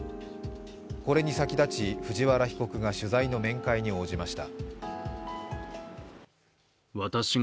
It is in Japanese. これに先立ち藤原被告が取材の面会に応じました。